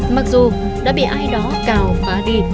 mặc dù đã bị ai đó cào phá đi